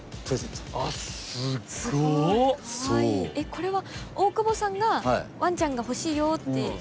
これは大久保さんがワンちゃんが欲しいよって言ったんですか？